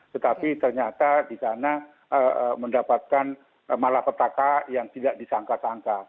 tetapi ternyata di sana mendapatkan malapetaka yang tidak disangka sangka